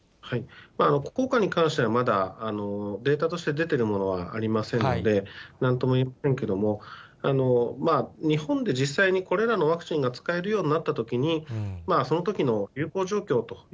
効果に関してはまだデータとして出てるものはありませんので、なんとも言えませんけれども、日本で実際にこれらのワクチンが使えるようになったときに、そのときの流行状況。